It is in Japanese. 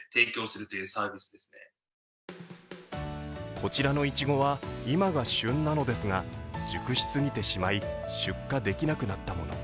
こちらのいちごは今が旬なのですが、熟しすぎてしまい、出荷できなくなったもの。